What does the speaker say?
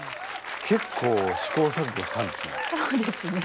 けっこう試行錯誤したんですね。